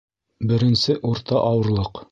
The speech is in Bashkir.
Беренсе урта ауырлыҡ